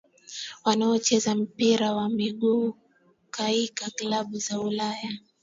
wanaocheza mpira wa miguu kaika klabu za Ulaya